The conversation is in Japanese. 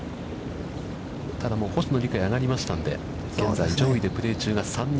ただ、もう星野陸也が上がりましたので、現在上位でプレー中が３人。